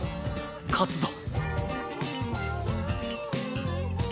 勝つぞ！